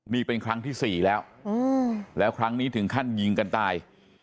นี่เป็นครั้งที่๔แล้วแล้วครั้งนี้ถึงขั้นยิงกันตาย